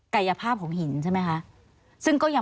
สวัสดีค่ะที่จอมฝันครับ